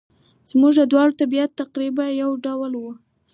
زموږ دواړو طبیعت تقریباً یو ډول وو.